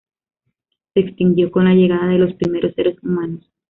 Se extinguió con la llegada de los primeros seres humanos.